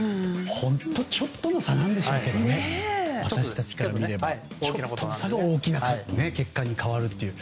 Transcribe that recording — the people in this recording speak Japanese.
本当にちょっとの差なんでしょうけどちょっとの差が大きな結果に変わるという。